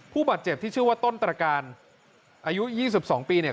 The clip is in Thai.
ผู้บาดเจ็บที่ชื่อว่าต้นตรการอายุ๒๒ปีเนี่ย